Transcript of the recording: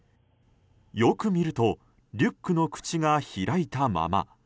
よく見るとリュックの口が開いたまま。